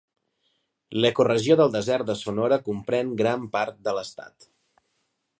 L'ecoregió del desert de Sonora comprèn gran part de l'estat.